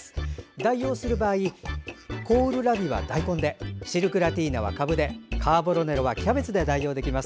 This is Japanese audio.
代用する場合コールラビは大根でシルクラティーナはかぶでカーボロネロはキャベツで代用できます。